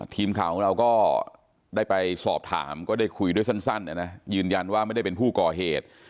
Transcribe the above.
ทีมข่าวของเราก็ได้ไปสอบถามก็ได้คุยด้วยสั้นยืนยันว่าไม่ได้เป็นผู้ก่อเหตุ